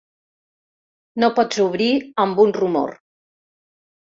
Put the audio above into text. No pots obrir amb un rumor!